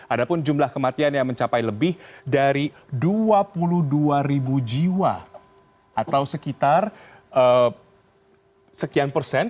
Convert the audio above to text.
ada pun jumlah kematian yang mencapai lebih dari dua puluh dua ribu jiwa atau sekitar sekian persen